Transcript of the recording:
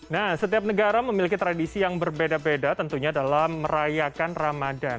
nah setiap negara memiliki tradisi yang berbeda beda tentunya dalam merayakan ramadan